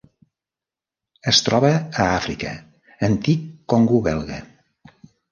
Es troba a Àfrica: antic Congo Belga.